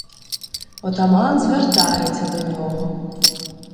Отаман звертається до нього: